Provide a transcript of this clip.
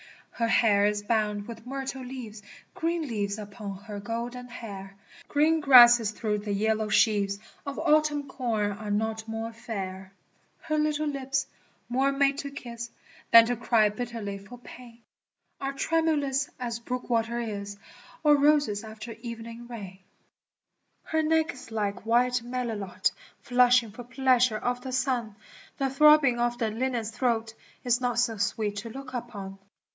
Her hair is bound with myrtle leaves, (Green leaves upon her golden hair !) Green grasses through the yellow sheaves Of autumn corn are not more fair. cm] Her little lips, more made to kas Than to cry bitterly far pain, Are tremulous as brook water b» Or roses after* Her neck is like white mctilotr flushing far pleasure of the son, The throbbing of the linnet's throat Is not so sweet to look upon.